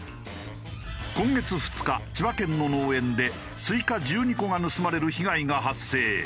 今月２日千葉県の農園でスイカ１２個が盗まれる被害が発生。